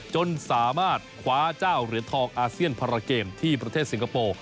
จนสามารถคว้าเจ้าเหรียญทองอาเซียนพาราเกมที่ประเทศสิงคโปร์